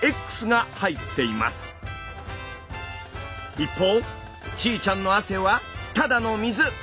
一方ちーちゃんの汗はただの水。